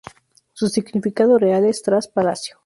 Su significado real es "Tras Palacio".